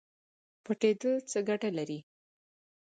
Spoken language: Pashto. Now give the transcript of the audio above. پټیدل څه ګټه لري؟